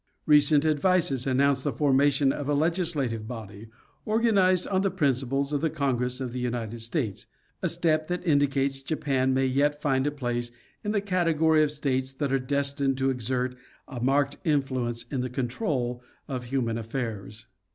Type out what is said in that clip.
Recent advices announce the for mation of a legislative body, organized on the principle of the Congress of the United States—a step that indicates Japan may yet find a place in the category of states that are destined to exert a marked influence in the control of human affairs.